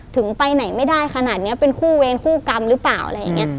ไปไหนไม่ได้ขนาดนี้เป็นคู่เวรคู่กรรมหรือเปล่าอะไรอย่างนี้